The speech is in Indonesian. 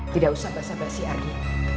tidak usah basah basah si ardi